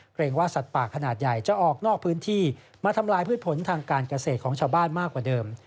ว่าสัตว์ป่าขนาดใหญ่จะออกนอกพื้นที่มาทำลายพืชผลทางการเกษตรของชาวบ้านมากกว่าเดิม